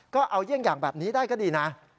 ก็เอาเยี่ยงอย่างแบบนี้ได้ก็ดีนะ